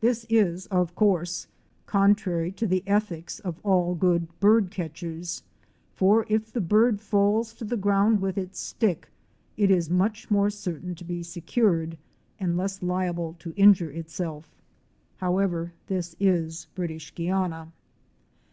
This is, of course, contrary to the ethics of all good bird catchers, for if the bird falls to the ground with its stick, it is much more certain to be secured, and less liable to injure itself. However, this is British Guiana.